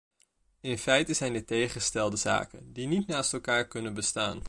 In feite zijn dit tegengestelde zaken, die niet naast elkaar kunnen bestaan.